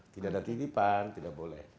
tidak ada titipan tidak boleh